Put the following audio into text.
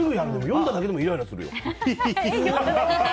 読んだだけでもイライラするよ。